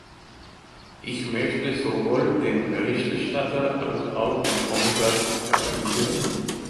Ich möchte sowohl dem Berichterstatter als auch dem Kommissar gratulieren.